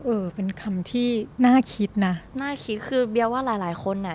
เออเป็นคำที่น่าคิดนะน่าคิดคือเบียร์ว่าหลายหลายคนอ่ะ